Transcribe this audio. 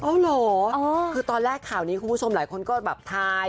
เหรอคือตอนแรกข่าวนี้คุณผู้ชมหลายคนก็แบบทาย